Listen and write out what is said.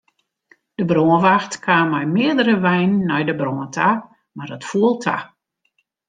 De brânwacht kaam mei meardere weinen nei de brân ta, mar it foel ta.